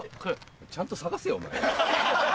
ちゃんと探せよお前。